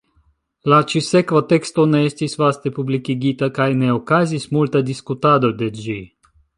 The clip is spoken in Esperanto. La ĉi-sekva teksto ne estis vaste publikigita kaj ne okazis multa diskutado de ĝi.